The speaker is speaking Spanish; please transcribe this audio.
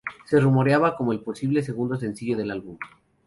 Se rumoreaba como el posible segundo sencillo del álbum.